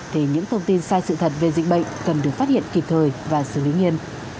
thì những thông tin sai sự thật về dịch bệnh cần được phát hiện kịp thời và xử lý nghiêm